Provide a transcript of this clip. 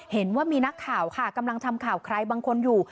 เห็นว่ามีนักข่าวค่ะกำลังทำข่าวใครบางคนอยู่